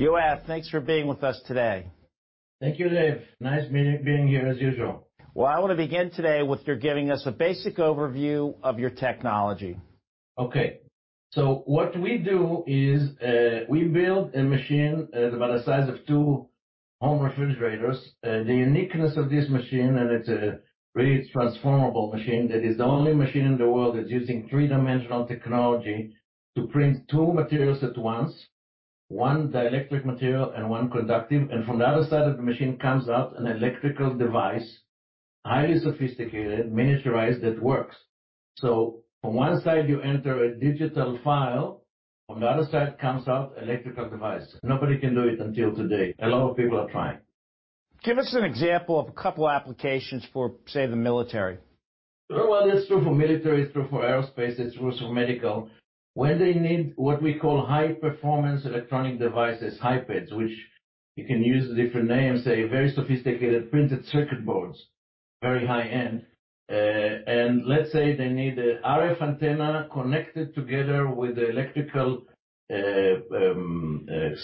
Yoav, thanks for being with us today. Thank you, Dave. Nice meeting you here as usual. Well, I want to begin today with your giving us a basic overview of your technology. Okay. So what we do is we build a machine about the size of two home refrigerators. The uniqueness of this machine, and it's a really transformable machine, that is the only machine in the world that's using three-dimensional technology to print two materials at once: one dielectric material and one conductive. And from the other side of the machine comes out an electrical device, highly sophisticated, miniaturized that works. So on one side, you enter a digital file. On the other side comes out an electrical device. Nobody can do it until today. A lot of people are trying. Give us an example of a couple of applications for, say, the military. Well, that's true for military. It's true for aerospace. It's true for medical. When they need what we call high-performance electronic devices, Hi-PEDs, which you can use different names, say, very sophisticated printed circuit boards, very high-end. Let's say they need an RF antenna connected together with an electrical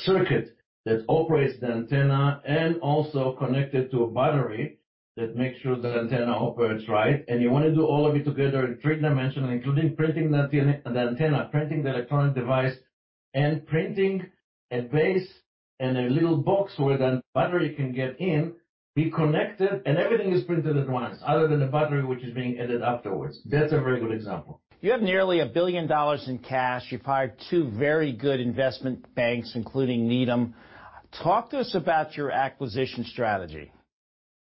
circuit that operates the antenna and also connected to a battery that makes sure the antenna operates right. You want to do all of it together in three dimensions, including printing the antenna, printing the electronic device, and printing a base and a little box where the battery can get in, be connected, and everything is printed at once, other than the battery which is being added afterwards. That's a very good example. You have nearly $1 billion in cash. You've hired two very good investment banks, including Needham. Talk to us about your acquisition strategy.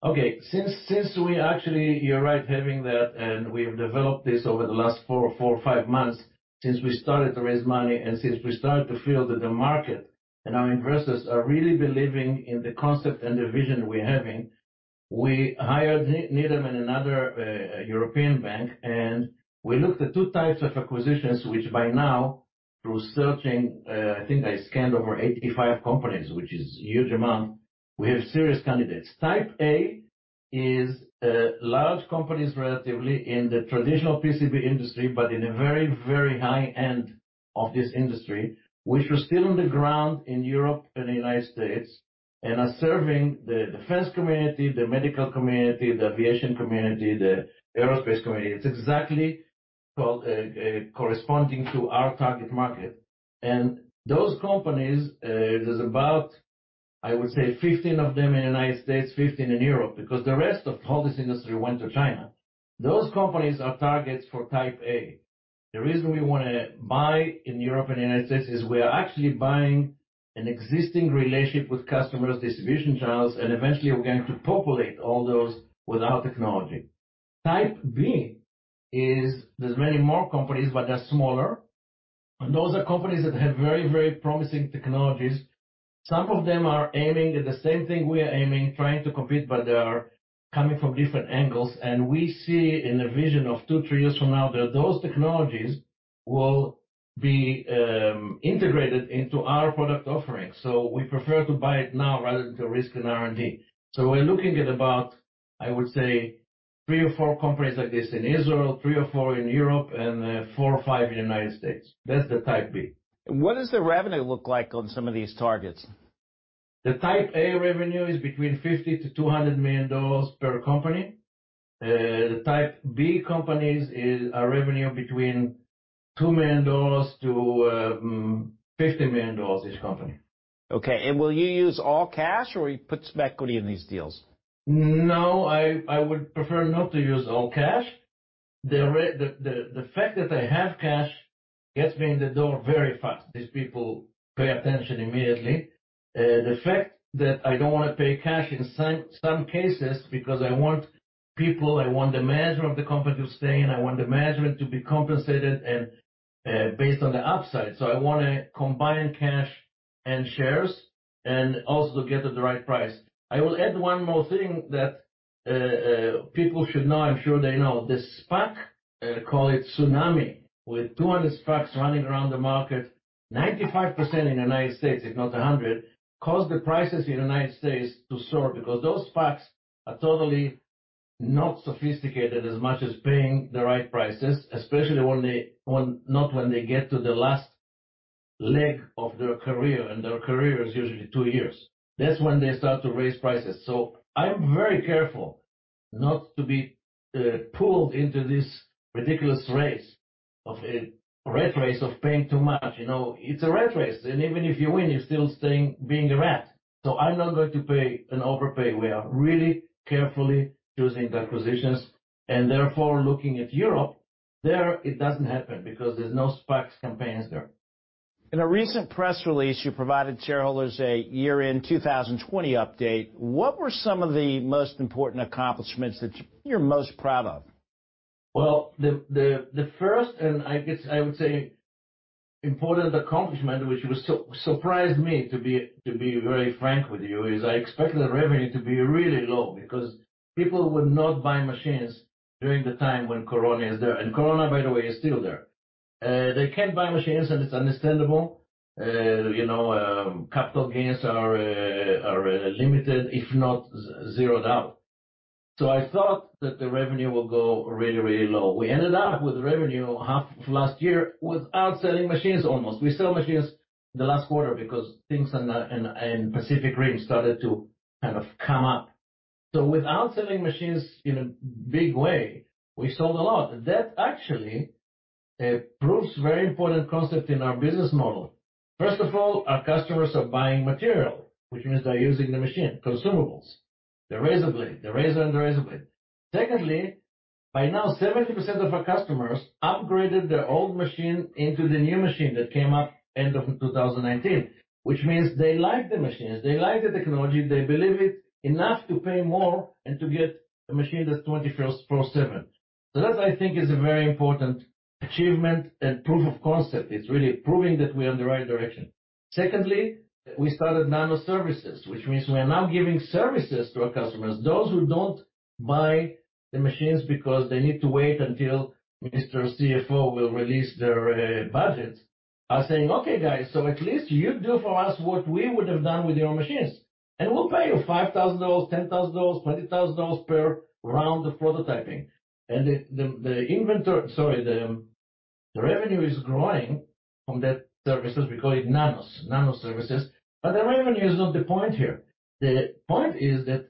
Okay. Since we actually, you're right, having that, and we have developed this over the last four or five months since we started to raise money and since we started to feel that the market and our investors are really believing in the concept and the vision we're having, we hired Needham and another European bank. We looked at two types of acquisitions, which by now, through searching, I think I scanned over 85 companies, which is a huge amount. We have serious candidates. Type A is large companies, relatively, in the traditional PCB industry, but in a very, very high-end of this industry, which are still on the ground in Europe and the United States and are serving the defense community, the medical community, the aviation community, the aerospace community. It's exactly corresponding to our target market. Those companies, there's about, I would say, 15 of them in the United States, 15 in Europe, because the rest of all this industry went to China. Those companies are targets for Type A. The reason we want to buy in Europe and the United States is we are actually buying an existing relationship with customers, distribution channels, and eventually, we're going to populate all those with our technology. Type B is there's many more companies, but they're smaller. Those are companies that have very, very promising technologies. Some of them are aiming at the same thing we are aiming, trying to compete, but they are coming from different angles. We see in the vision of two, three years from now that those technologies will be integrated into our product offering. So we prefer to buy it now rather than to risk an R&D. We're looking at about, I would say, three or four companies like this in Israel, three or four in Europe, and four or five in the United States. That's the Type B. What does the revenue look like on some of these targets? The Type A revenue is between $50-$200 million per company. The Type B companies are revenue between $2-$50 million each company. Okay. Will you use all cash, or you put some equity in these deals? No, I would prefer not to use all cash. The fact that I have cash gets me in the door very fast. These people pay attention immediately. The fact that I don't want to pay cash in some cases because I want people, I want the manager of the company to stay, and I want the management to be compensated based on the upside. So I want to combine cash and shares and also get at the right price. I will add one more thing that people should know. I'm sure they know. The SPAC, call it tsunami, with 200 SPACs running around the market, 95% in the United States, if not 100, caused the prices in the United States to soar because those SPACs are totally not sophisticated as much as paying the right prices, especially not when they get to the last leg of their career. Their career is usually two years. That's when they start to raise prices. I'm very careful not to be pulled into this ridiculous race, a rat race of paying too much. It's a rat race. Even if you win, you're still being a rat. I'm not going to pay an overpay. We are really carefully choosing the acquisitions. Therefore, looking at Europe, there it doesn't happen because there's no SPACs campaigns there. In a recent press release, you provided shareholders a year-end 2020 update. What were some of the most important accomplishments that you're most proud of? Well, the first, and I would say important accomplishment, which surprised me, to be very frank with you, is I expected the revenue to be really low because people would not buy machines during the time when Corona is there. And Corona, by the way, is still there. They can't buy machines, and it's understandable. Capital gains are limited, if not zeroed out. So I thought that the revenue would go really, really low. We ended up with revenue half of last year without selling machines almost. We sold machines in the last quarter because things in Pacific Rim started to kind of come up. So without selling machines in a big way, we sold a lot. That actually proves a very important concept in our business model. First of all, our customers are buying material, which means they're using the machine, consumables, the razor blade, the razor and the razor blade. Secondly, by now, 70% of our customers upgraded their old machine into the new machine that came up end of 2019, which means they like the machines. They like the technology. They believe it enough to pay more and to get a machine that's 24/7. So that, I think, is a very important achievement and proof of concept. It's really proving that we are in the right direction. Secondly, we started Nano Services, which means we are now giving services to our customers. Those who don't buy the machines because they need to wait until Mr. CFO will release their budget are saying, "Okay, guys, so at least you do for us what we would have done with your machines. And we'll pay you $5,000, $10,000, $20,000 per round of prototyping." And the inventory, sorry, the revenue is growing from that. Services. We call it Nano Services. But the revenue is not the point here. The point is that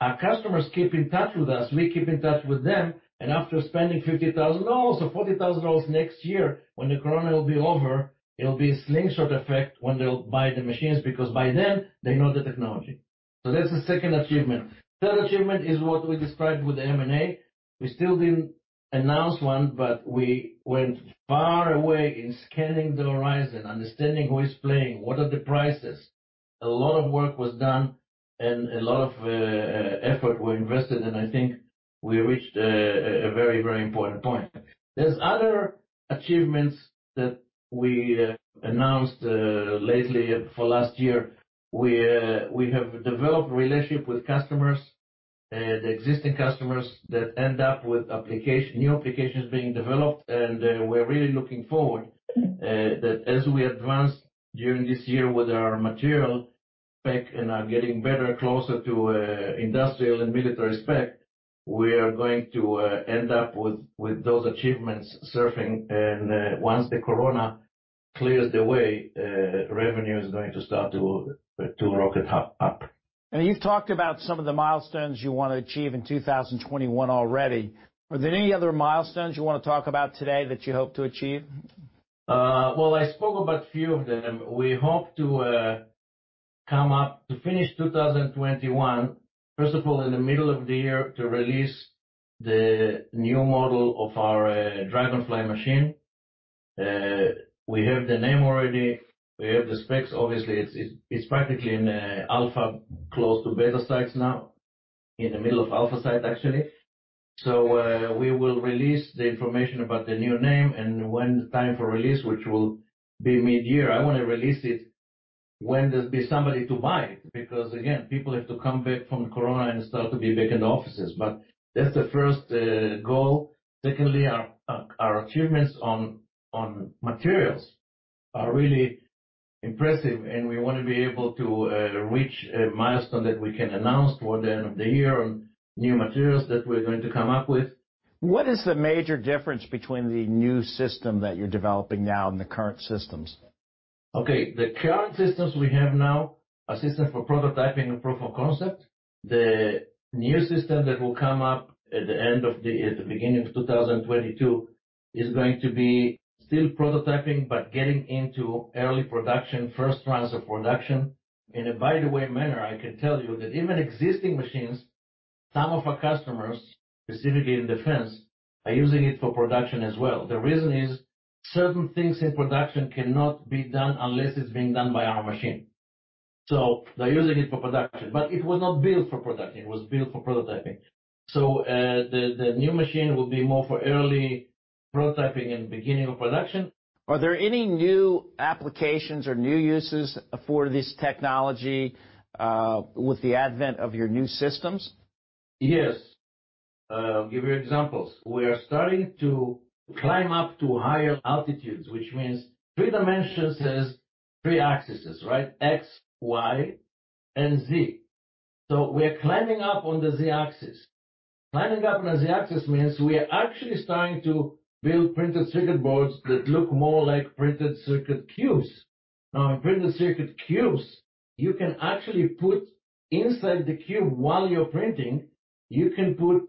our customers keep in touch with us. We keep in touch with them. And after spending $50,000 or $40,000 next year, when the Corona will be over, it'll be a slingshot effect when they'll buy the machines because by then, they know the technology. So that's the second achievement. Third achievement is what we described with the M&A. We still didn't announce one, but we went far away in scanning the horizon, understanding who is playing, what are the prices. A lot of work was done and a lot of effort was invested. And I think we reached a very, very important point. There's other achievements that we announced lately for last year. We have developed a relationship with customers, the existing customers that end up with new applications being developed. We're really looking forward that as we advance during this year with our material spec and are getting better, closer to industrial and military spec, we are going to end up with those achievements surfing. Once the Corona clears the way, revenue is going to start to rocket up. And you've talked about some of the milestones you want to achieve in 2021 already. Are there any other milestones you want to talk about today that you hope to achieve? Well, I spoke about a few of them. We hope to finish 2021, first of all, in the middle of the year to release the new model of our DragonFly machine. We have the name already. We have the specs. Obviously, it's practically in alpha, close to beta sites now, in the middle of alpha site, actually. So we will release the information about the new name and when the time for release, which will be mid-year. I want to release it when there'll be somebody to buy it because, again, people have to come back from Corona and start to be back in the offices. But that's the first goal. Secondly, our achievements on materials are really impressive. And we want to be able to reach a milestone that we can announce toward the end of the year on new materials that we're going to come up with. What is the major difference between the new system that you're developing now and the current systems? Okay. The current systems we have now are systems for prototyping and proof of concept. The new system that will come up at the end of the beginning of 2022 is going to be still prototyping but getting into early production, first rounds of production. In a by-the-way manner, I can tell you that even existing machines, some of our customers, specifically in defense, are using it for production as well. The reason is certain things in production cannot be done unless it's being done by our machine. So they're using it for production. But it was not built for production. It was built for prototyping. So the new machine will be more for early prototyping and beginning of production. Are there any new applications or new uses for this technology with the advent of your new systems? Yes. I'll give you examples. We are starting to climb up to higher altitudes, which means three dimensions has three axes, right? X, Y, and Z. So we are climbing up on the Z axis. Climbing up on the Z axis means we are actually starting to build printed circuit boards that look more like printed circuit cubes. Now, in printed circuit cubes, you can actually put inside the cube while you're printing, you can put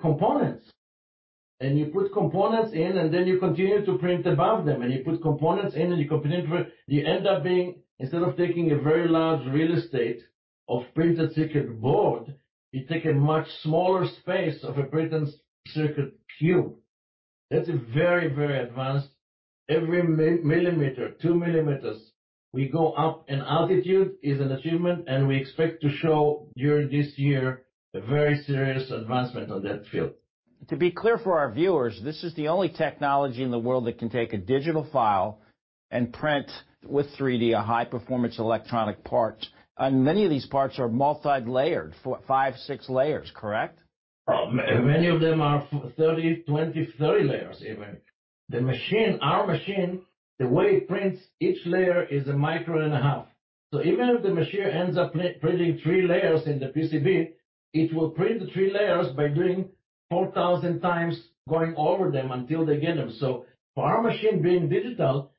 components. And you put components in, and then you continue to print above them. And you put components in, and you end up being, instead of taking a very large real estate of printed circuit board, you take a much smaller space of a printed circuit cube. That's a very, very advanced. Every millimeter, two millimeters, we go up in altitude is an achievement. We expect to show during this year a very serious advancement on that field. To be clear for our viewers, this is the only technology in the world that can take a digital file and print with 3D a high-performance electronic part. Many of these parts are multi-layered, five, six layers, correct? Many of them are 30, 20, 30 layers, even. The machine, our machine, the way it prints, each layer is 1.5 microns. So even if the machine ends up printing three layers in the PCB, it will print the three layers by doing 4,000 times going over them until they get them. So for our machine being digital,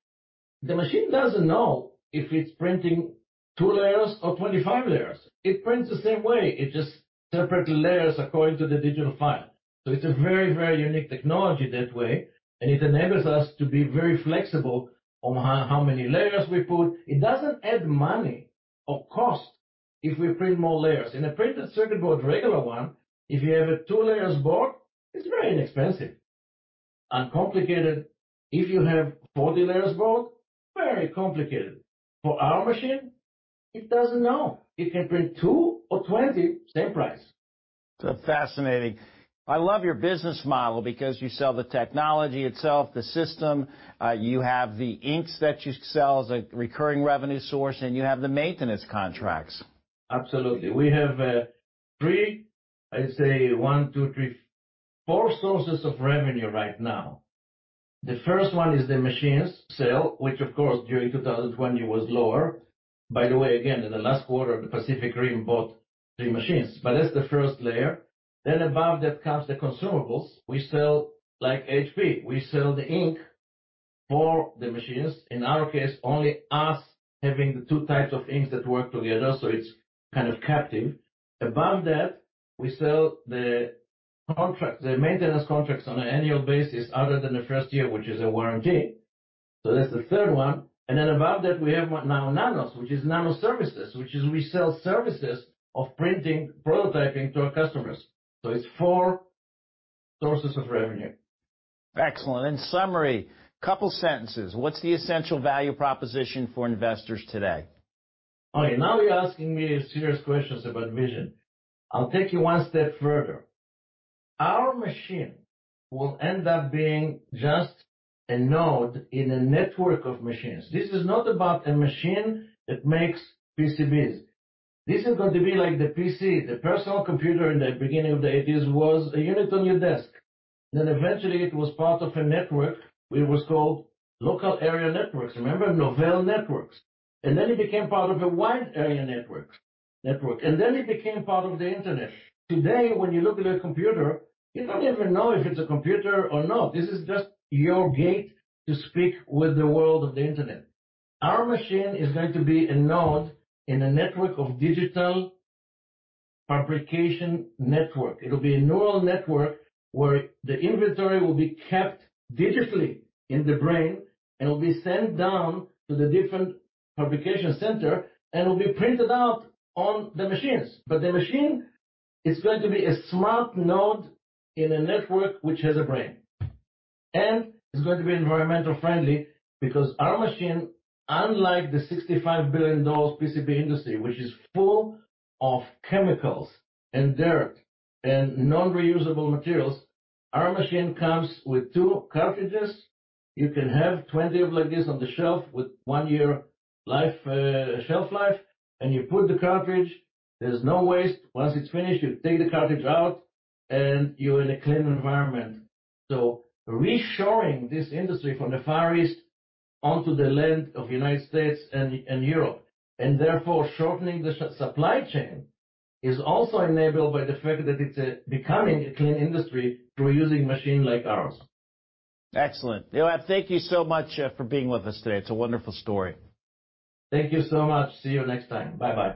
the machine doesn't know if it's printing two layers or 25 layers. It prints the same way. It just separates layers according to the digital file. So it's a very, very unique technology that way. And it enables us to be very flexible on how many layers we put. It doesn't add money or cost if we print more layers. In a printed circuit board, regular one, if you have a two-layer board, it's very inexpensive. Uncomplicated. If you have 40-layer board, very complicated. For our machine, it doesn't know. It can print two or 20, same price. It's fascinating. I love your business model because you sell the technology itself, the system. You have the inks that you sell as a recurring revenue source, and you have the maintenance contracts. Absolutely. We have three, I'd say one, two, three, four sources of revenue right now. The first one is the machines sale, which, of course, during 2020 was lower. By the way, again, in the last quarter, the Pacific Rim bought three machines. But that's the first layer. Then above that comes the consumables. We sell like HP. We sell the ink for the machines. In our case, only us having the two types of inks that work together. So it's kind of captive. Above that, we sell the maintenance contracts on an annual basis other than the first year, which is a warranty. So that's the third one. And then above that, we have now NaNoS, which is Nano Services, which is we sell services of printing, prototyping to our customers. So it's four sources of revenue. Excellent. In summary, a couple of sentences. What's the essential value proposition for investors today? Okay. Now you're asking me serious questions about vision. I'll take you one step further. Our machine will end up being just a node in a network of machines. This is not about a machine that makes PCBs. This is going to be like the PC, the personal computer in the beginning of the 1980s was a unit on your desk. Then eventually, it was part of a network. It was called local area networks. Remember, Novell networks. And then it became part of a wide area network. And then it became part of the internet. Today, when you look at a computer, you don't even know if it's a computer or not. This is just your gate to speak with the world of the internet. Our machine is going to be a node in a network of digital fabrication network. It'll be a neural network where the inventory will be kept digitally in the brain. It'll be sent down to the different fabrication center. It'll be printed out on the machines. But the machine, it's going to be a smart node in a network which has a brain. It's going to be environmentally friendly because our machine, unlike the $65 billion PCB industry, which is full of chemicals and dirt and non-reusable materials, our machine comes with two cartridges. You can have 20 of like this on the shelf with one-year shelf life. You put the cartridge. There's no waste. Once it's finished, you take the cartridge out, and you're in a clean environment. Reshoring this industry from the Far East onto the land of the United States and Europe, and therefore shortening the supply chain is also enabled by the fact that it's becoming a clean industry through using machines like ours. Excellent. Yoav, thank you so much for being with us today. It's a wonderful story. Thank you so much. See you next time. Bye-bye.